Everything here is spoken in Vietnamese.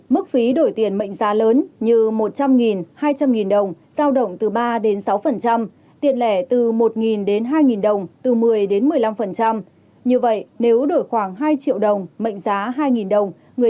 một đến ba giây chỉ để tạo lòng tin ban đầu thôi